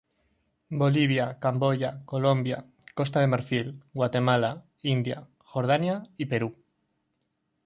Bolivia, Camboya, Colombia, Costa de Marfil, Guatemala, India, Jordania y Perú.